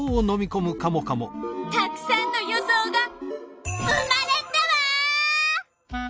たくさんの予想が生まれたわ！